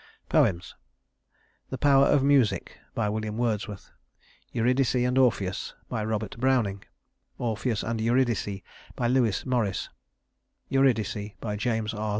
Poems: The Power of Music WILLIAM WORDSWORTH Eurydice and Orpheus ROBERT BROWNING Orpheus and Eurydice LEWIS MORRIS Eurydice JAMES R.